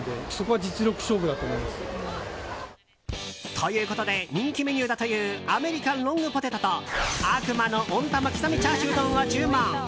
ということで人気メニューだというアメリカンロングポテトと悪魔の温玉刻みチャーシュー丼を注文。